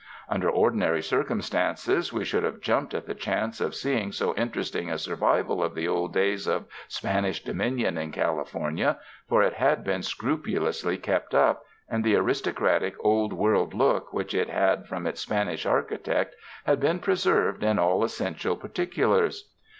Under ordinary circum stances we should have jumped at the chance of see ing so interesting a survival of the old days of Span ish dominion in California, for it had been scrupu lously kept up and the aristocratic Old World look which it had from its Spanish architect, had been preserved in all essential particulars.